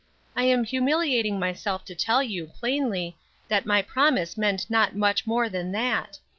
I am humiliating myself to tell you, plainly, that my promise meant not much more than that.